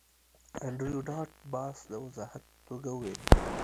انډریو ډاټ باس د وضاحت په توګه وویل